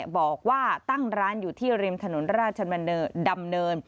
บอกว่าตั้งร้านอยู่ที่ริมถนนราชดำเนิน